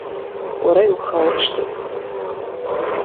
Уара иухауршҭит.